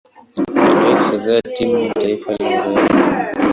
Aliwahi kucheza timu ya taifa ya Ureno.